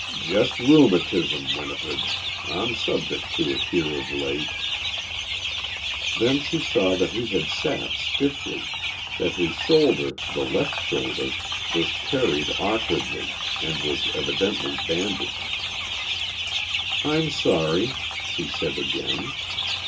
"Just rheumatism, Winifred. I'm subject to it here of late." Then she saw that he had sat stiffly, that his shoulder, the left shoulder, was carried awkwardly and was evidently bandaged. "I'm sorry," she said again.